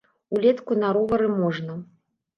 Улетку на ровары можна.